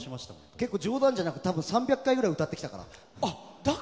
結構、冗談じゃなく３００回ぐらい歌ってきたから。